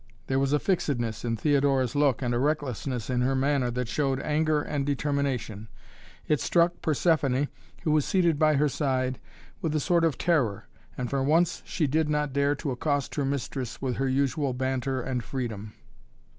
There was a fixedness in Theodora's look and a recklessness in her manner that showed anger and determination. It struck Persephoné, who was seated by her side, with a sort of terror, and for once she did not dare to accost her mistress with her usual banter and freedom.